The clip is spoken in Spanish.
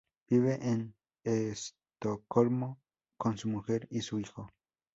Vive en Estocolmo con su mujer y su hijo.